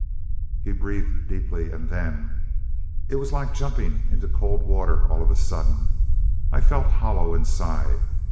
He breathed deeply, and then: "It was like jumping into cold water all of a sudden. I felt hollow inside.